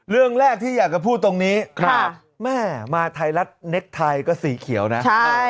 เรื่องแรกที่อยากจะพูดตรงนี้แม่มาไทยรัฐเน็กไทยก็สีเขียวนะ